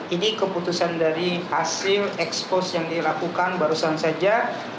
ini keputusan dari hasil ekspos yang dilakukan barusan saja